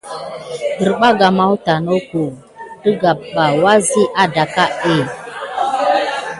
Desbarga makuata noko ɗegamɓa wusi aɗak é.